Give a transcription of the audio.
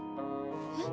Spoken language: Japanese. えっ。